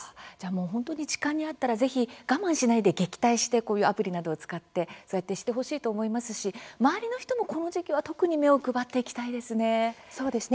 本当に痴漢に遭ったらぜひ我慢しないで撃退してこういうアプリなどを使ってそうやってしてほしいと思いますし周りの人もこの時期はそうですね。